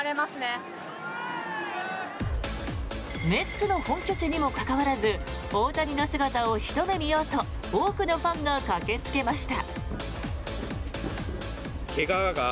メッツの本拠地にもかかわらず大谷の姿をひと目見ようと多くのファンが駆けつけました。